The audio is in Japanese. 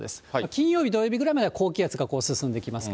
金曜日、土曜日ぐらいは高気圧が進んできます